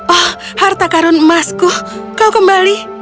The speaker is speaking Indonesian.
oh harta karun emasku kau kembali